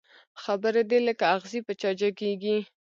خبري دي لکه اغزي په چا جګېږي